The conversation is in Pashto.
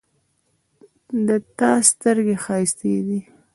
د تا سترګې ښایستې دي